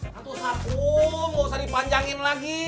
satu satuuu gak usah dipanjangin lagi